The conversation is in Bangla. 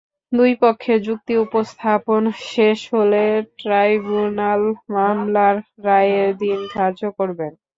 দুই পক্ষের যুক্তি উপস্থাপন শেষ হলে ট্রাইব্যুনাল মামলার রায়ের দিন ধার্য করবেন।